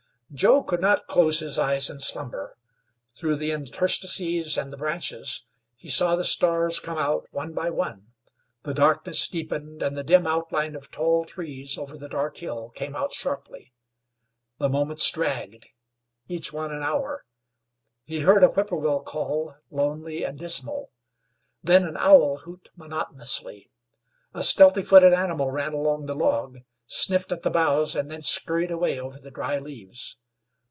Joe could not close his eyes in slumber. Through the interstices in the branches he saw the stars come out one by one, the darkness deepened, and the dim outline of tall trees over the dark hill came out sharply. The moments dragged, each one an hour. He heard a whippoorwill call, lonely and dismal; then an owl hoot monotonously. A stealthy footed animal ran along the log, sniffed at the boughs, and then scurried away over the dry leaves.